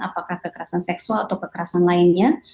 apakah kekerasan seksual atau kekerasan lainnya